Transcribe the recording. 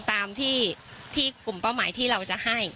ตามที่กลุ่มเป้าหมายที่เราจะให้